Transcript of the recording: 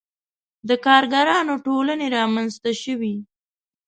• د کارګرانو ټولنې رامنځته شوې.